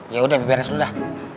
yaudah beberes dulu dah